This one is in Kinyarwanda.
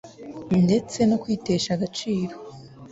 ndetse no kwitesha agaciro.